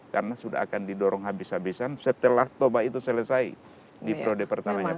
karena sudah akan didorong habis habisan setelah toba itu selesai di prode pertamanya pak presiden